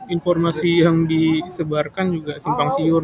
informasi yang disebarkan juga simpang siur